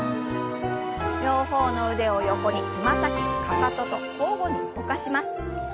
両方の腕を横につま先かかとと交互に動かします。